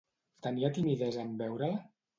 Tenia timidesa en veure-la?